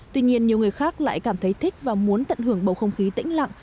tuy nhiên nhiều người khác lại cảm thấy thích và muốn tận hưởng bầu không khí tĩnh lặng